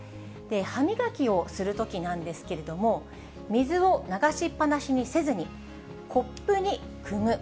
歯みがきをするときなんですけれども、水を流しっぱなしにせずに、コップにくむ。